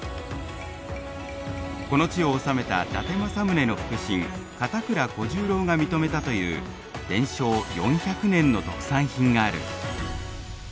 この地を治めた伊達政宗の腹心片倉小十郎が認めたという伝承４００年の特産品がある。